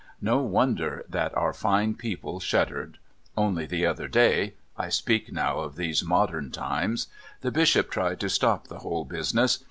No wonder that our fine people shuddered. Only the other day I speak now of these modern times the Bishop tried to stop the whole business.